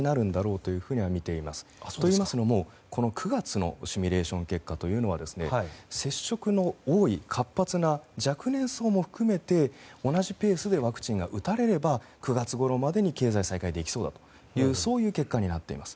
といいますのも、９月のシミュレーション結果というのは接触の多い活発な若年層も含めて同じペースでワクチンが打たれれば９月ごろまでに経済再開できそうだというそういう結果になっています。